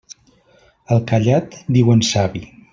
Al callat diuen savi.